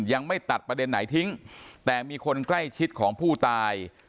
ยังไม่ตัดประเด็นไหนทิ้งแต่มีคนใกล้ชิดของผู้ตาย